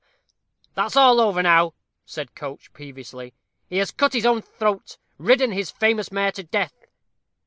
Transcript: "That's all over now," said Coates, peevishly. "He has cut his own throat ridden his famous mare to death."